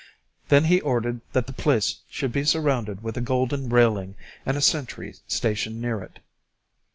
Then he ordered that the place should be surrounded with a golden railing, and a sentry stationed near it.